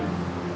gak ada perangka